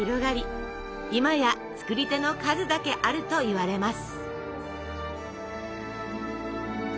今や作り手の数だけあるといわれます。